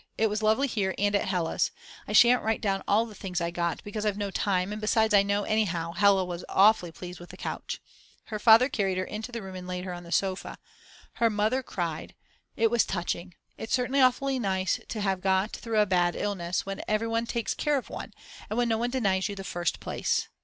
It was lovely here and at Hella's. I shan't write down all the things I got, because I've no time, and besides I know anyhow. Hella was awfully pleased with the couch, her father carried her into the room and laid her on the sofa. Her mother cried. It was touching. It's certainly awfully nice to have got through a bad illness, when everyone takes care of one, and when no one denies you the first place.